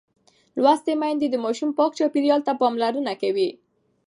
لوستې میندې د ماشوم پاک چاپېریال ته پاملرنه کوي.